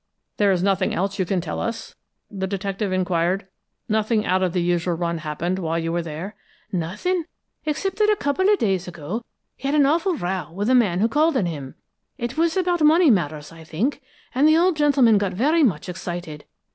"There is nothing else you can tell us?" the detective inquired. "Nothing out of the usual run happened while you were there?" "Nothing, except that a couple of days ago, he had an awful row with a man who called on him. It was about money matters, I think, and the old gentleman got very much excited.